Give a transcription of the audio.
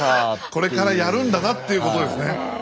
これからやるんだなということですね。